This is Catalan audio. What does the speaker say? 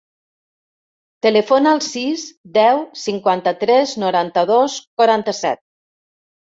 Telefona al sis, deu, cinquanta-tres, noranta-dos, quaranta-set.